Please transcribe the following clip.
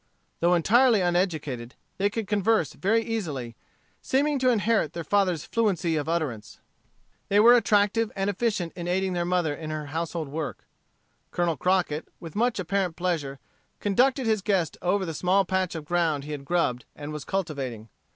Though entirely uneducated, they could converse very easily, seeming to inherit their father's fluency of utterance. They were active and efficient in aiding their mother in her household work. Colonel Crockett, with much apparent pleasure, conducted his guest over the small patch of ground he had grubbed and was cultivating.